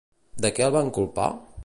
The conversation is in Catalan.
De què el van culpar?